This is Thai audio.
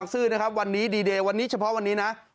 บรักษือนะครับวันนี้ส่วนดีเทอวันนี้เฉพาะวันนี้นะ